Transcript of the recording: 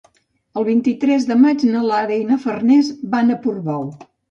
El vint-i-tres de maig na Lara i na Farners van a Portbou.